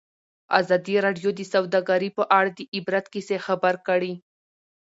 ازادي راډیو د سوداګري په اړه د عبرت کیسې خبر کړي.